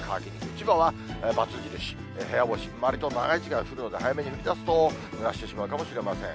千葉はばつ印、部屋干し、わりと長い時間降るので、早めに降りだすと、ぬらしてしまうかもしれません。